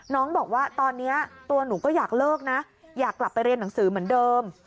น้องบอกว่าตอนนี้ตัวหนูก็อยากเลิกนะอยากกลับไปเรียนหนังสือเหมือนเดิม